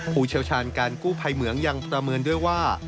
ผู้เชี่ยวชาญการกู้ภัยเหมืองยังประเมินด้วยว่า